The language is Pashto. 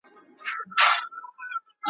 ماشومان په هوس خاندي غلي غلي